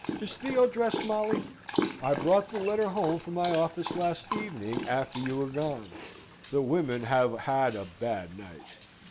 Is Theo dressed, Molly? I brought the letter home from my office last evening after you were gone. The women have had a bad night.